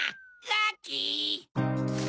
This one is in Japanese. ラッキー！